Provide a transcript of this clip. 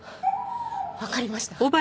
わかりました。